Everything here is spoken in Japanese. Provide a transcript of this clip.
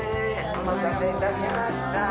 お待たせ致しました。